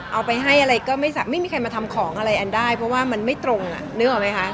เอาไปให้อะไรก็ไม่มีใครมาทำของอะไรแอนได้เพราะว่ามันไม่ตรงอ่ะนึกออกไหมคะ